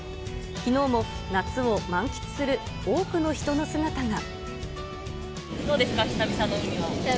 きのうも夏を満喫する多くの人の姿が。